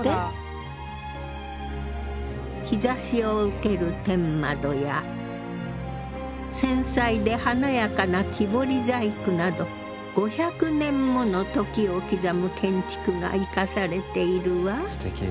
日ざしを受ける天窓や繊細で華やかな木彫り細工など５００年もの時を刻む建築が生かされているわ。